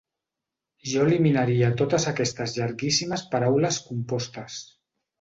Jo eliminaria totes aquestes llarguíssimes paraules compostes.